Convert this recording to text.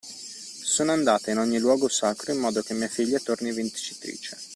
Sono andata in ogni luogo sacro in modo che mia figlia torni vincitrice